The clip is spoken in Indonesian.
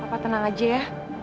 papa tenang aja ya